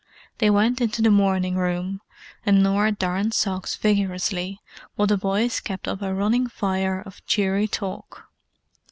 They went into the morning room, and Norah darned socks vigorously while the boys kept up a running fire of cheery talk.